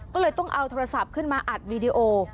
ก็เลยต้องเอาโทรศัพท์ขึ้นมาอัดวีดีโอ